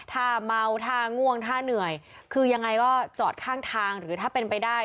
ถ้าเมาถ้าง่วงท่าเหนื่อยคือยังไงก็จอดข้างทางหรือถ้าเป็นไปได้